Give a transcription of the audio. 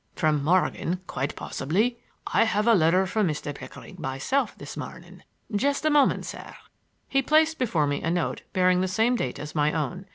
"From Morgan, quite possibly. I have a letter from Mr. Pickering myself this morning. Just a moment, sir." He placed before me a note bearing the same date as my own.